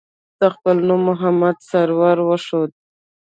ده خپل نوم محمد سرور وښوده.